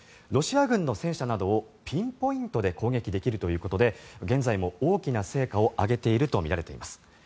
ロシア軍の戦車などをピンポイントで攻撃できるということで現在も大きな成果を上げているとみられています。